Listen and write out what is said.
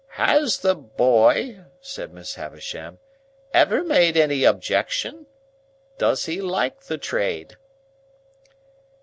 "Has the boy," said Miss Havisham, "ever made any objection? Does he like the trade?"